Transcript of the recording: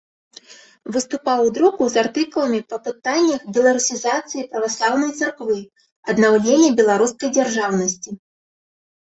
Выступаў у друку з артыкуламі па пытаннях беларусізацыі праваслаўнай царквы, аднаўлення беларускай дзяржаўнасці.